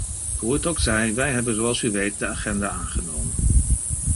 Hoe het ook zij, wij hebben, zoals u weet, de agenda aangenomen.